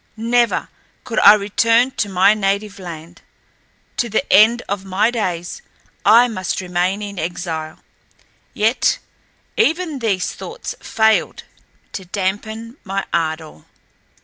Never could I return to my native land. To the end of my days I must remain in exile. Yet even these thoughts failed to dampen my ardor.